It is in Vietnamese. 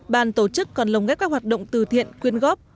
bàn tổ chức còn lồng ghép các hoạt động từ thiện quyên góp